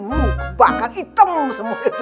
muka bakar hitam semua itu